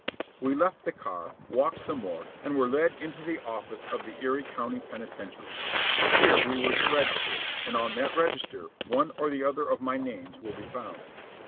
We left the car, walked some more, and were led into the office of the Erie County Penitentiary. Here we were to register, and on that register one or the other of my names will be found.